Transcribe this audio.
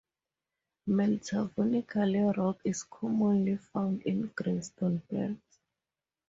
Metavolcanic rock is commonly found in greenstone belts.